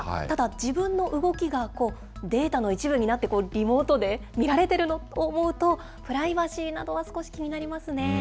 ただ、自分の動きがデータの一部になってリモートで見られてると思うと、プライバシーなどは少し気になりますね。